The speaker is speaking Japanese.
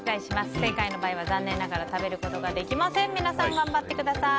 不正解の場合は、残念ながら食べることができませんので皆さん頑張ってください。